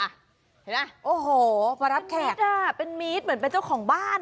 เห็นไหมโอ้โหมารับแขกเป็นมีดเหมือนเป็นเจ้าของบ้าน